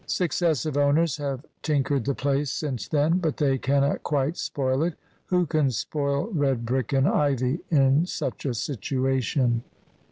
Successive owners have tinkered the place since then, but they cannot quite spoil it. Who can spoil red brick and ivy, in such a situation?